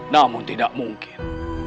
namun tidak mungkin